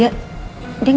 dia gak ngelakuinnya mbak